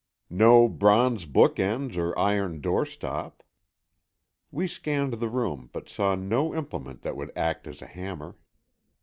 No bronze book ends or iron doorstop." We scanned the room, but saw no implement that would act as a hammer.